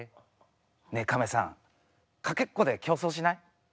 ねえカメさんかけっこで競走しない？